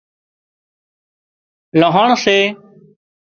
لانهڻ سي